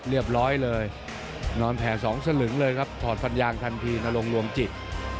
เรียบร้อยเลยนอนแผ่สองสลึงเลยครับถอดฟันยางทันทีนรงรวมจิต